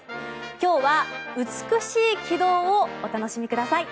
今日は美しい軌道をお楽しみください。